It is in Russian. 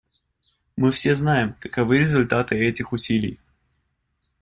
Мы все знаем, каковы результаты этих усилий.